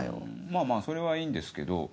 まぁまぁそれはいいんですけど。